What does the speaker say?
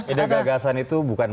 ide gagasan itu bukan